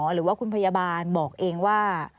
หรือว่าคุณพยาบาลบอกเองว่า